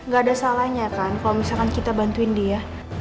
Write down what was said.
gak ada salahnya kan kalau misalkan kita bantuin dia